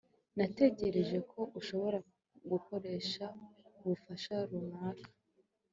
Natekereje ko ushobora gukoresha ubufasha runaka